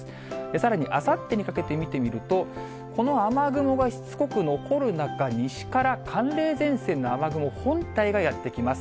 さらにあさってにかけて見てみると、この雨雲がしつこく残る中、西から寒冷前線の雨雲本体がやって来ます。